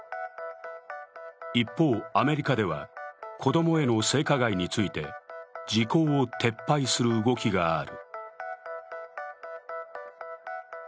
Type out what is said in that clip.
一方、アメリカでは子供への性加害について時効を撤廃する動きがある。